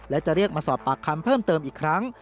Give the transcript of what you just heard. และจะเรียกมาสอบปากคำเพิ่มเติมอีกครั้ง